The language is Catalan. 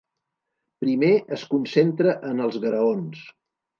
Primer es concentra en els graons.